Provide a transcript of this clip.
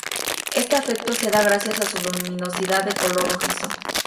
Este efecto se da gracias a su luminosidad de color rojizo.